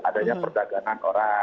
adanya perdagangan orang